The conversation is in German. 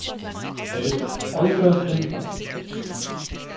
Er ist äußerst umfassend.